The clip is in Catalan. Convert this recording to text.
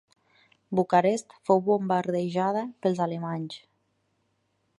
Bucarest fou bombardejada pels alemanys.